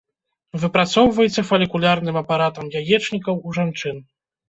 Выпрацоўваецца фалікулярным апаратам яечнікаў у жанчын.